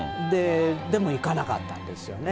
でも行かなかったんですよね。